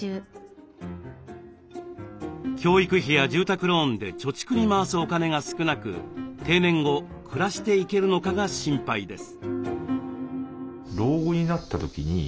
教育費や住宅ローンで貯蓄に回すお金が少なく定年後暮らしていけるのかが心配です。